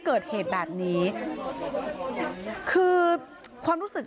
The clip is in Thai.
พระเจ้าที่อยู่ในเมืองของพระเจ้า